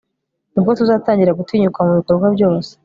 ni bwo tuzatangira gutinyuka mu bikorwa byose